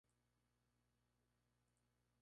Tiene que consolidarse", argumentó.